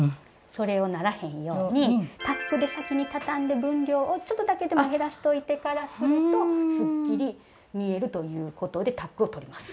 それをならへんようにタックで先にたたんで分量をちょっとだけでも減らしといてからするとすっきり見えるということでタックをとります。